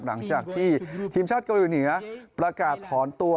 หลังจากที่ทีมชาติเกาหลีเหนือประกาศถอนตัว